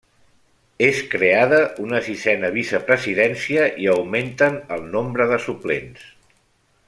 És creada una sisena vicepresidència i augmenten el nombre de suplents.